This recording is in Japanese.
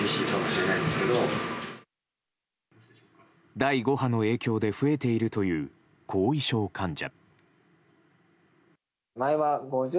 第５波の影響で増えているという後遺症患者。